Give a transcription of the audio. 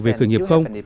về khởi nghiệp không